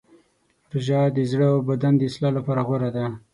روژه د زړه او بدن د اصلاح لپاره غوره ده.